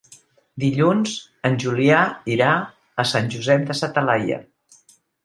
Dilluns en Julià irà a Sant Josep de sa Talaia.